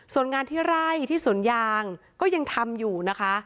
ส่วนงานที่ไร่ที่สวนยางก็ยังทำอยู่นะคะ